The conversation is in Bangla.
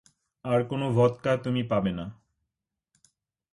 আর কোনো ভদকা তুমি পাবে না।